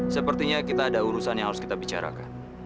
sepertinya kita ada urusan yang harus kita bicarakan